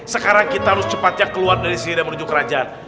sekarang kita harus cepatnya keluar dari syria menuju kerajaan